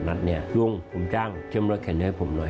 นัดนี้ลุงผมจ้างเจอมรถเข็ดให้ผมหน่อย